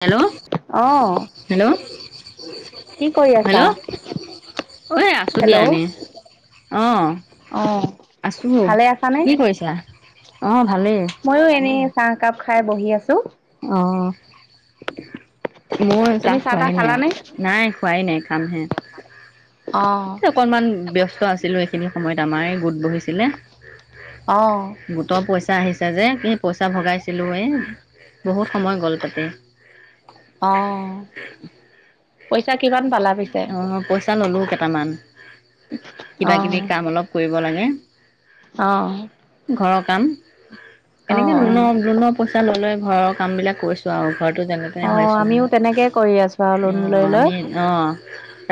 Hello অহ hello কি কৰি আছা? হেল্ল' ঐ আছো দিয়া হেল্ল', এনেই অ অ আছো কি কৰিছা অঁ ভালেই মইও এনেই চাহকাপ খাই বহি আছো আহ মোৰ তুমি চাহ তাহ খোৱাই নাই খালানে? নাই খোৱাই নাই? খামহে অ এ অকণমান ব্যস্ত আছিলোঁ সেই খিনি সময়ত আমাৰে গোট বহিছে। অ', গোট পইছা তেতিয়া যে কি পইচা ভগাইছিলো এ বহুত সময় গ'ল তাতে আহ অ পইচা ললো কেইটামান কিবা কিবি কাম অলপ কৰিব লাগে আহ ঘৰৰ কাম এনেকে লোণৰ লোণৰ পইচা ললে ঘৰত কামবিলাক কৰিছোঁ আৰু ঘৰত অ আমিও তেনেকে কৰি আছোঁ আৰু লোণ অঁ লৈ লৈ আমি অঁ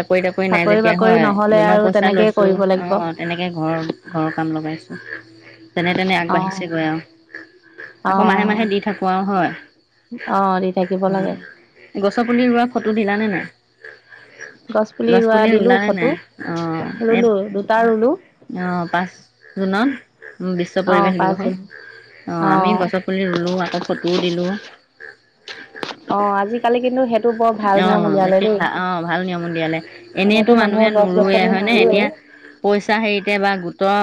চাকৰি তাকৰি নাই যেতিয়া বাকৰি হয় নহলে লোণৰ আৰু পইচা তেনেকেই লৈছোঁ কৰিব লাগিব। অঁ তেনেকৈ ঘৰৰ ঘৰৰ কাম লগাইছোঁ। [unintelligible] যেনে তেনে অ আগবাঢ়িছেগৈ আৰু অ আকৌ মাহে মাহে দি থাকোঁ আৰু অ', দি থাকিব লাগে হয় গছ পুলি ৰোৱা ফটো দিলানে নাই? গছ ৰোৱা পুলি দিলো ৰুলালে নে ফটো নাই আহ ৰুলো দুটা ৰুলো আহ পাঁচ জুনত বিশ্ব অ পৰিৱেশ পাঁচজোপা দিৱসত আহ আমি অ গছ পুলি ৰুলো আকৌ ফটোও দিলো। অ আজিকালি কিন্তু সেইটো বৰ ভাল নিয়ম উলিয়ালে দেই ভ অ ভাল নিয়ম উলিয়ালে এনেতো এনেইতো মানুহে গছ নোৰুৱে গছনি হয়নে নৰুৱে এতিয়া পইচা হেৰিতে বা গো তই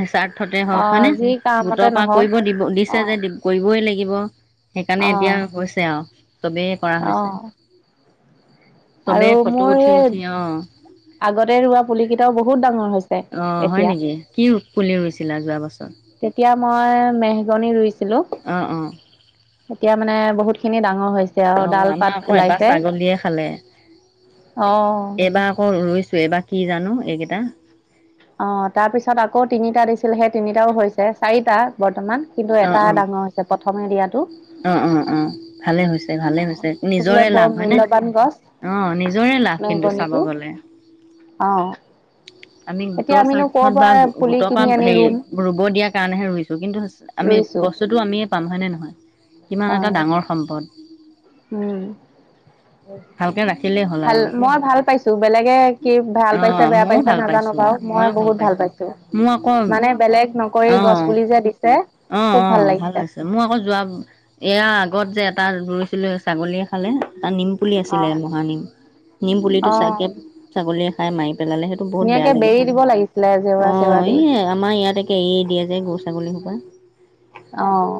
হিচাপ মুঠতে অ হওক হয়নে যি গোটৰ কামতে পৰা নহওক কৰিব দিব দিছে অ যে কৰিবই লাগিব। লাগিব সেইকাৰণে অ এতিয়া কৈছে আৰু চবেই কৰা অ হৈছে চবে আৰু ফটো মোৰ উঠি সেই উঠি অ আগতে ৰোৱা পুলিকেইটাও বহুত ডাঙৰ হৈছে অ হয় এতিয়া। নেকি কি পুলি ৰুইছিলা যোৱা বছৰ এয়া মই মেহগনী ৰুইছো। অ অ এতিয়া মানে বহুত খিনি ডাঙৰ হল। অ আমাৰ আকৌ এটা ছাগলীয়ে খালে। অ এইবাৰ আকৌ ই এইবাৰ কি জানো? এইকেইটা? অ তাৰপিছত আকৌ তিনিটা দিছিল সেই তিনিটাও হৈছে চাৰিটা বৰ্তমান। কিন্তু অ এটা অ ডাঙৰ হৈছে প্ৰথমে দিয়াতটো। অ অ অ ভালে হৈছে ভালে হৈছে নিজৰে লাভ। হয় নে? গছ অ নিজৰে লাভ কিন্তু চাব মেহগনিটো গলে। অ আমি এতিয়া গোটৰ আমিনো কৰ স্বাৰ্থত বা পৰা পুলি গোটৰ কিনি পৰা আনি হেৰি ৰুম ৰুব দিয়াৰ কাৰণেহে ৰুইছো কিন্তু আমি ৰুইছো বস্তুটো আমিয়ে পাম হয়নে নহয়? কিমান এটা হয় ডাঙৰ সম্পদ? উম ভালকে ৰাখিলেই হ'ল ভাল আৰু মই ভাল পাইছো বেলেগে কি ভাল অ পাইছে বেয়া ময়ো পাইছে ভাল নাজানো পাইছো বাৰু মই ময়ো বহুত ভাল পাইছো। মোৰ আকৌ মানে বেলেগ ন অ অ-অ ভাল হৈছে। মোৰ আকৌ যোৱা এয়া আগত যে এটা ৰুইছিলো ছাগলীয়ে খালে। তাত নিম পুলি অ আছিলে মহানিম নিম পুলি অ চাগে ছাগলীয়ে তাই মাৰি পেলালে সেইটো বহুত বেয়া ধুনীয়াকে বেৰি লাগিছিলে। দিব লাগিছিলে অ জেওৰা চেওৰা এই দি আমাৰ ইয়াত কেৰি দিয়ে যায় গৰু ছাগলীসোপা। আহ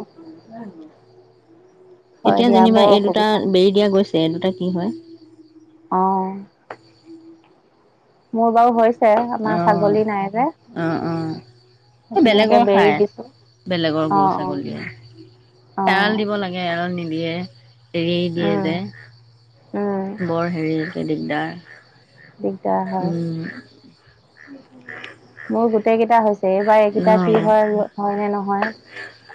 এতিয়া যেনিবা এই দুটা বেৰি দিয়া গৈছে। এই দুটা কি হয়? আহঁ উম [unintelligible] ম [unintelligible] অ অ-অ ধুনীয়াকে বেলেগৰ বেৰি খাই, দিছো বেলেগৰ অ গৰু অ ছাগলী। অ এৰাল দিব লাগে এৰাল নি দিয়ে এৰি দিয়ে যে। উম উম, বৰ হেৰি দিগদাৰ। দিগদাৰ হয়। উম মোৰ গোটেই কেইটা হৈছে এইবাৰ এইকেইটা কি হয় হয় নে নহয়। অ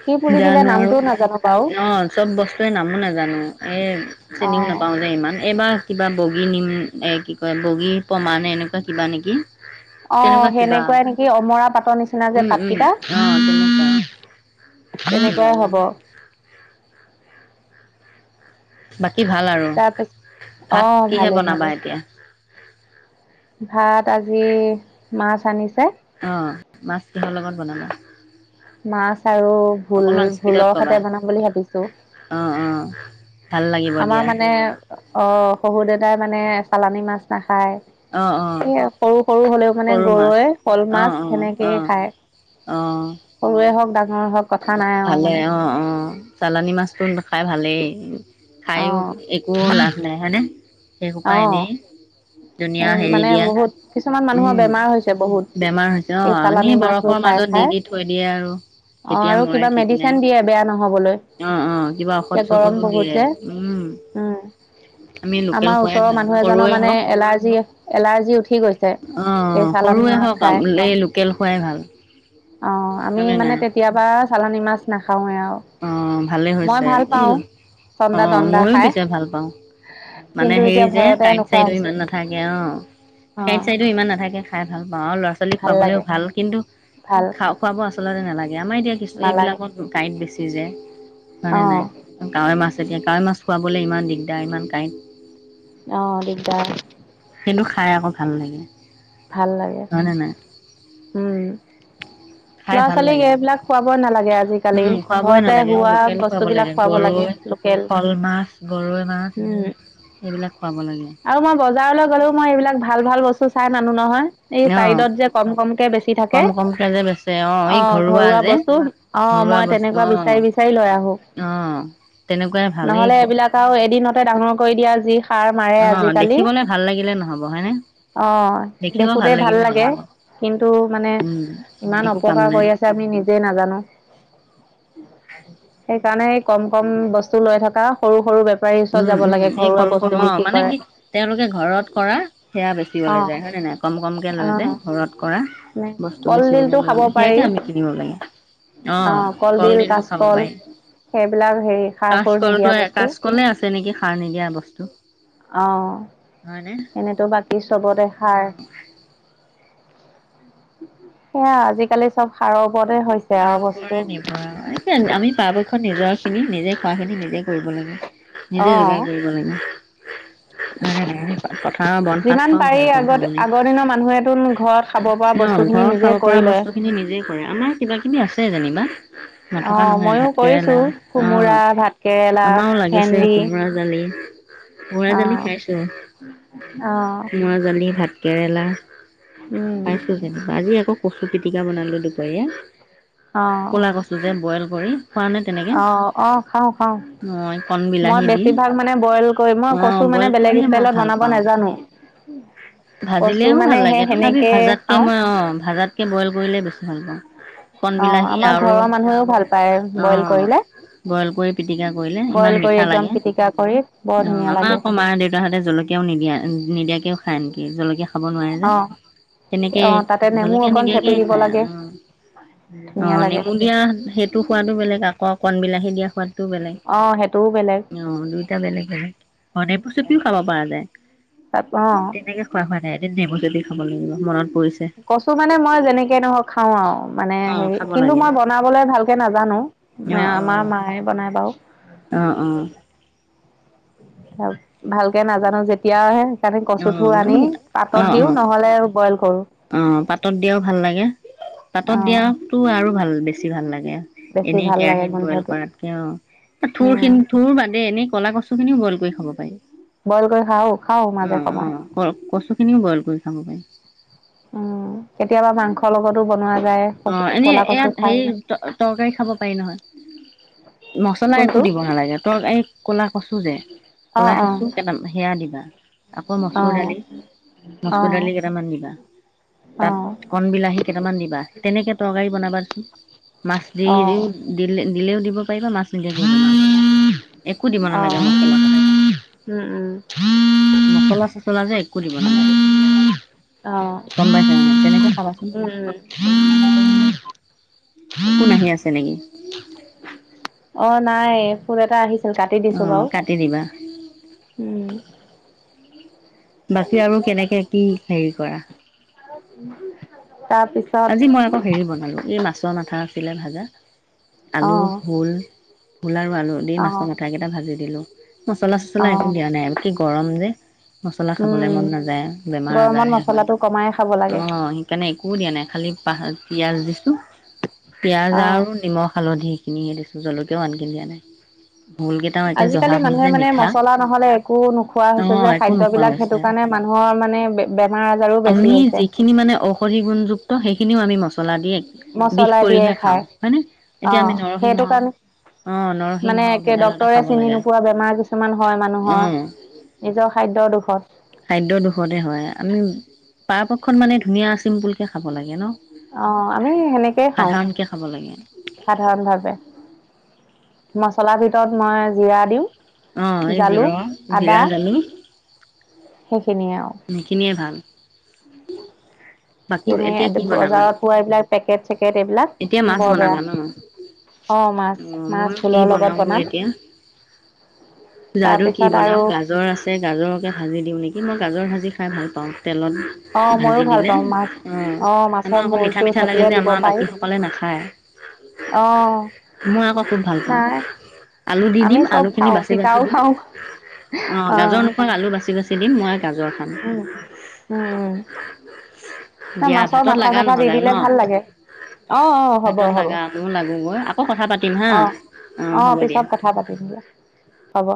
কি পুলি দিলে জানো আৰু নামটোও নাজানো বাৰু অ চব বস্তুৱে নামো নাজানো এই চিনিও অ'। নাপাও যে ইমান। এইবাৰ কিবা বগী নিম এই কি কয় বগী প্ৰমা নে এনেকুৱা কিবা নেকি। অ তেনেকুৱা কিবা সেনেকুৱাই নেকি অমৰা। পাতৰ নিচিনা যে উম উম পাতকেইটা অ তেনেকুৱা এই তেনেকুৱাই লজন হব। বাকী কি ভাল আৰু তাৰপিছত অ', ভাত কিহে ভালে ভালে বনাবা এতিয়া? ভাত আজি মাছ আনিছে। অ মাছ কিহৰ লগত বনাব? মাছ আৰু ভোল স্পীডত ভোলৰ ক'বা সতে বনাম বুলি ভাবিছো। অ অ ভাল লাগিব আমাৰ দিয়া মানে অ শহু দেতাই মানে চালানী মাছ না। খ অ অ স সৰু-সৰু হলেও মানে সৰু মাছ গৰৈ, শল অ মাছ অ অ সেনেকেই খায় অ সৰুৱে হওক ডাঙ ম হওক কথা নাই আৰু ভালে মানে। অ অ চালানী মাছটো খাই ভালেই। খাইয়ো অ', একো লাভ নাই হয়নে। হেইহুপা অ', এনেই দুনিয়া এই হেৰি মানে বহুত কিছুমান দিয়া মানুহৰ বেমাৰ হৈছে বহুত উম বেমাৰ হৈছে অ এই চালানী এনেই মাছবোৰ বৰফৰ খাই মাজত খাই দি-দি থৈ দিয়ে আৰু অ', কেতিয়া আৰু মৰে কিবা ঠিক নাই মেডিচিন দিয়ে বেয়া নহ'বলৈ অ-অ কিবা এতিয়া ঔষধ গৰম চৌষধো বহুত দিয়ে। যে উম, আমি লোকেল আমাৰ খোৱাই ওচৰৰ ভাল মানুহ এজনৰ সৰুৱে মানে এলাৰ্জি এলাৰ্জি উঠি গৈছে হওক অ এই চালানী সৰুৱে মাছ হওক খাই এই লোকেল খোৱাই ভাল। অ আমি হয়নে মানে নাই অ চালানী মাছ না অ ভালে হৈছে এ পাওঁ অ চন্দা তন্দা মইও খাই পিছে ভাল পাওঁ মানে কিন্তু হেৰি এতিয়া যে ভয়তে কাঁইট নোখোৱা চাইডো হৈছো ইমান নাথাকে অ কাইট অ', চাইডো ইমান নাথাকে খাই। গাঁৱৰ ল'ৰা ছোৱালীক ভাল খুৱাবলৈও লাগে ভাল কিন্তু ভাল খাও খোৱাব আ আচতে নালাগে। আমাৰ এতিয়া কিস্তি নালাগে বিলাকৰ কাৰেণ্ট বেছি। সেই যে হয়নে নাই অ', কাঁৱৈ মাছ। তেতিয়া কাৱৈ মাছ খোৱাবলৈ ইমান দিগদাৰ ইমান কাঁইট। আহ দিগদা। সেইটো খাই আকৌ ভাল লাগে। ভাল লাগে। হয়নে নাই? উম খাই ল'ৰা ভাল ছোৱালীক লাগে আকৌ এইবিলাক খুৱাব নালাগে আজিকালি উম খুৱাবই ঘৰতে নালাগে হোৱা লোকেল খুৱাব বস্তুবিলাক লাগে খুৱাব লাগে গৰৈ লোকেল শ'ল মাছ, গৰৈ মাছ হম। এইবিলাক খুৱাব লাগে আৰু মই বজাৰলৈ গ'লেও মই এইবিলাক ভাল ভাল বস্তু চাই নানো নহয় এই অ চাইডত যে কম কমকে বেছি থাকে কম কমকে যে বেচে অ এই ঘৰুৱা যে বস্তু অ ঘৰুৱা মই বস্তু তেনেকুৱা অ বিচাৰি বিচাৰি লৈ আহো অ তেনেকুৱাই ভালেই নহলে এইবিলাক আৰু এদিনতে ডাঙৰ কৰি দিয়া যি সাৰ নাইয়ে অ আজিকালি দেখিবলে ভাল লাগিলে নহব হয়নে? অ দেখিব দেখোতে ভাল লাগিলে লাগে নহব কিন্তু মানে উম ইমান একো কাম অপকাৰ নাই। কৰি আছে আমি নিজে নাজানো। সেইকাৰণে কম কম বস্তু লৈ থকা সৰু সৰু বপ তাৰ পাৰছত উম, যাব উম, লাগে এই ঘৰুৱা সৰু অ বস্তু মানে কৰে কি তেওঁলোকে ঘৰত কৰা সেয়া অ বেচিবলৈ যায় হয় নে নাই কম কমকে লৈ যায় অ ঘৰত কৰা বস্তু বেচিবলৈ কলডিলটো লৈ খাব যায় সেয়াকে পাৰি আমি কিনিব লাগে অ কলডিল কলডিলটো খাব কাচকল পাৰি সেইবিলাক হেৰি সাৰ সুৰ কাচকলটো নিদিয়া কাচ আছে নেকি সাৰ নিদিয়া বস্তু আহ হয়নে? এনেতো বাকী চবতে সাৰ। অ', সেয়া আজিকালি চব সাৰ নিভৰ আমি পৰাপক্ষত নিজৰ খিনি নিজে পৰাখিনি নিজেই কৰিব লাগে অ নিজে যোগাৰ কৰিব লাগে। ন ন পথাৰৰ বন শাক যিমান খাও পাৰি ভাল হয় আগত সলনি আগৰ দিনৰ মানুহেতো ঘৰত খাব পৰা ন বস্তুখিনি ঘৰত নিজে খাব কৰি পৰা লয় বস্তু খিনি নিজে কৰে আমাৰ কিবাকিবি আছে যেনিবা অ নথকা নহয় ময়ো কৰিছো ভাতকেৰেলা অঁ কোমোৰা ভাত কেৰেলা আমাৰো লাগিছে ভেন্দি কোমোৰা জালি উ মৰা জালি অ', খাইছো অ', মৰা জালি ভাত কেৰেলা পাইছো উম, যেনিবা আজি আকৌ কচু পিতিকা বনালো দুপৰীয়া অ', কলা কছু যে। বইল কৰি খোৱা নে তেনেকে অ অ খাওঁ খাওঁ মই কণ মই বিলাহী দি বেছিভাগ মানে বইল কৰি মই অ কচু মানে বইল বেলেগ কৰিয়ে মই ষ্টাইলত ভাল বনাব পাওঁ নাজানো উ ভাজিলেও ভাল লাগে তথাপি ভাজাতকে খাওঁ। মই অ ভাজাতকে বইল কৰিলে বেছি ভাল পাওঁ কন অ', বিলাহী আমাৰ আৰু ঘৰৰ মানুহেও ভাল পায় অ বইল কৰিলে। বইল কৰি পিটিকা কৰিলে ইমান বইল কৰি মিঠা একদম লাগে পিটিকা কৰি বৰ অ ধুনীয়া আমাৰ লাগে। আকৌ মা দেউতাহঁতে জলকীয়াও নিদিয়া নিদিয়াকে হয় নি? বিহ জলকীয়া। খাব নোৱাৰে যে অ', অ', তাতে তেনেকেই নেমু জলকীয়া অকণ চেপি নিদিয়াকে দিব খায় লাগে অ অ ধুনীয়া লাগে। নেমু দিয়া সেইটো সোৱাদো বেলেগ আকৌ কণ বিলাহী বি টো বেলেগ অ', সেইটোও বেলেগ অঁ দুইটা বেলেগ বেলেগ বনে প্ৰস্তুিও খাব পৰা তাত যায় অ'। তেনেকে খোৱা হোৱা নাই এদিন নেমুচেপি খাব লাগিব ঘৰত। কচু মানে মই যেনেকে নহওঁক খাওঁ আৰু! মানে অ', হেৰি! খাব কিন্তু লাগে মই বনাবলৈ ভালকে নাজানো। অ', আমাৰ অ', মায়ে বনাই বাৰু। অ', ভাল -ভালকে নাজানো যেতিয়াহে তাতে অ', কচুথোৰ আনি অ', পাতত অ', দিও অ'। নহলে বইল কৰো। অ পাতত দিয়াও ভাল লাগে অ পাতত দিয়া তো আৰু ভাল বেছি ভাল লাগে বেছি এনেই ভাল লাগে কেৰাহিত বইল গোন্ধটো কৰাতকে অ' উম থোৰখিনি থোৰ বাদে এনেই কলা কচ চুখিনিও বইল কৰি খাব পাৰি বইল কৰি খাও খাও মাজে অ' সময়ে অ' ক-কচুখিনিও বইল কৰি খাব পাৰি। উম কেতিয়াবা মাংসৰ লগত ছু বনোৱা যায় অ কচু এনে ক'লা কচু ইয়াত ঠাৰি হেৰি তৰকাৰী খাব পাৰি নহয় মচলা কোনটো একো দিব নালাগে তৰকাৰী কলা কচু যে অ ক'লা অ কচু কেইটামান সেয়া দিবা আকৌ অ মচুৰ-দালি, মচুৰ-দালি অ কেইটামান দিবা। অ তাত কণবিলাহী কেইটামান দিবা। তৰকাৰী বনাবাচোন। মাছ অ দিও দিলে দিলেও দিব পাৰিবা মাছ নিদিয়াকেও বনাব পাৰিবা একো দিব অ নালাগে মছলা পাতি উম উম মছলা চচলা যে একো দিব নালাগে অ গম পাইচে ন তেনেকে খাবাচোন। উম উম ফোন আহি আছে নেকি? অ' নাই ফোন এটা আহিছে। কাটি অ দিছো বাৰু, কাটি দিবা। উম। বাকী আৰু কেনেকে কি হেৰি কৰা? ই [unintelligible] আজি মই আকৌ হেৰি বনালো এই মাছ ছৰ মাথা আছিলে ভাজা অ আলু, ভোল ভোল আৰু আলু দি অ মাছৰ মাথাকেইটা ভাজি দিলোঁ। উ মচলা অ চচলা একো দিয়া নাই আৰু গৰম যে। মছলা খাবলে উম মন নাযায়, বেমাৰ আজাৰ গৰমত হে হয়। মছলাটো কমাই খাব অ লাগে সেইকাৰণে একো দিয়া নাই। খালী প পিঁয়াজ দিছোঁ। পিয়াজ অ আৰু নিমখ। হালধি সখিনি সে দিছোঁ জলকীয়াও আনকি দিয়া নাই। ভোল কেইটাও একে জহা আজিকালি ভোল মানুহে যে মানে মিঠা মছলা ন'হলে একো নোখোৱা অ হৈছে যে একো খাদ্য নোখোৱা বিলাক সেইটো হৈছে। কাৰণে মানুহৰ মানে বেমাৰ আজাৰো বেছি আমি হৈছে যিখিনি মানে অসধি গুণযুক্ত সেইখিন খিনিও আমি মছলা দি [unintelligible] বিষ মচলা দিয়ে কৰিহে খাওঁ খাই, হয়নে? এতিয়া অহ আমি নৰসিংহ সেইটো কাৰণে অ নৰসিংহ মানে একে ভেদাইলতা ডক্তৰে খাব চিনি লাগে নোপোৱা বেমাৰ কিছুমান হয় অ মানুহৰ। নিজৰ খাদ্যৰ দুখত পাৰাপক্ষত মানে ধুনীয়া, চিম্পুলকে খাব লাগে ন? অ আমি সেনেকেই খাওঁ। সাধাৰণকে খাব লাগে। সাধাৰণ ভাৱে মছলাৰ ভিতৰত মই জিৰা দিওঁ। অ' এই জালুক জিৰা আদা জালুক সেইখিনিয়ে ভাল কি [unintelligible] বাকী যেনে এতিয়া কি বনাবা? বজাৰত পোৱা এইবিলাক পেকেট চেকেট এইবিলাক এতিয়া মাছ বৰ বেয়া বনাবা ন? অ মাছ অ মাছ মইও কি ভোলৰ লগত বনাও গৈ বনাম এতিয়া জানো? কি তাৰপিছত বনাও আৰু গাজৰ আছে গাজৰকে ভাজি দিও নেকি! মই গাজৰ ভাজি খাই ভাল পাওঁ। তেলত অ মইয়ো ভাজি ভাল দিলে পাওঁ মাছ অ' আমাৰ মাছৰ আকৌ মূৰ মিঠা চুৰ মিঠা লাগে থাকিলে যে দিব আমাৰ পাৰি বাকীসকলে নাখায় অ মই আকৌ খুব ভাল পাওঁ নাই আলু দি আমি দিম চব আলুখিনি খাওঁ বাচি বাচি তিতাও দিম খাওঁ অ' গাজৰ নোখোৱা আলু বাচি বাচি এদিন মই গাজৰ খাম উম উম উম না দিয়া মাছৰ ভাতত মাথা লাগা চাথা দি নহ'লে ন দিলে ভাল লাগে, অ অ হ'ব ভাতত হ'ব লাগা ময়ো লাগোগৈ আকৌ কথা পাতিম হা অ অ হ'ব পিছত দিয়া কথা পাতিম দিয়া, হ'ব।